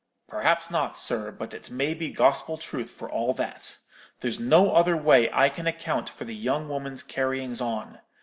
"'Perhaps not, sir, but it may be gospel truth for all that. There's no other way I can account for the young woman's carryings on.